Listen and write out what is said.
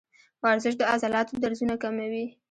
ورزش د عضلاتو درزونه کموي.